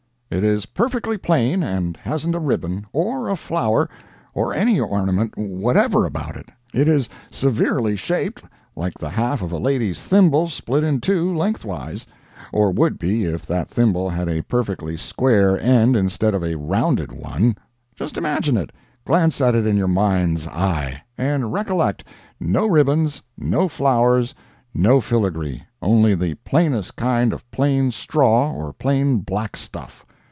It is perfectly plain and hasn't a ribbon, or a flower, or any ornament whatever about it; it is severely shaped like the half of a lady's thimble split in two lengthwise—or would be if that thimble had a perfectly square end instead of a rounded one—just imagine it—glance at it in your mind's eye—and recollect, no ribbons, no flowers, no filagree—only the plainest kind of plain straw or plain black stuff.